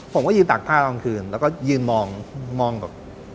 ผมก็ยืนตากผ้าตอนกลางคืนแล้วก็ยืนมองมองแบบ